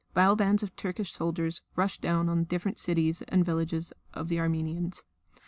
Vile bands of Turkish soldiers rushed down on the different cities and villages of the Armenians.